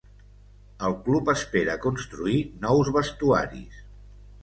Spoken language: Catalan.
El club espera construir nous vestuaris.